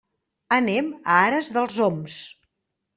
Anem a Ares dels Oms.